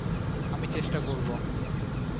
আমি চেষ্টা করবো।